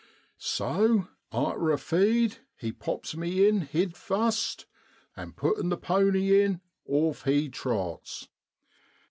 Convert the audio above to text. So, arter a feed, he pops me in hid fust (head first), and puttin' the pony in, off he trots.